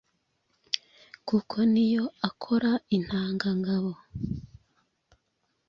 kuko niyo akora intangangabo